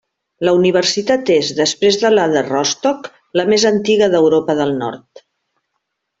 La universitat és, després de la de Rostock, la més antiga d'Europa del nord.